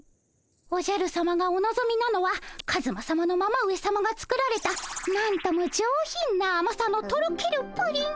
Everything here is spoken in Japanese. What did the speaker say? おじゃるさまがおのぞみなのはカズマさまのママ上さまが作られたなんとも上品なあまさのとろけるプリン。